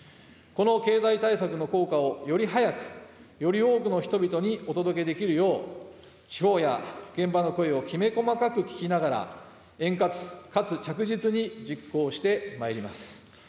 この経済対策の効果をより早く、より多くの人々にお届けできるよう、地方や現場の声をきめ細かく聞きながら、円滑かつ着実に実行してまいります。